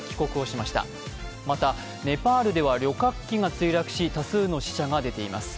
またネパールでは旅客機が墜落し、多数の死者が出ています。